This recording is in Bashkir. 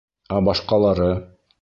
Ә башҡалары?